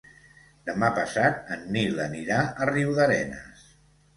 Demà passat en Nil anirà a Riudarenes.